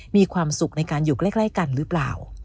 มีความสุขในการอยู่ใกล้กันหรือเปล่า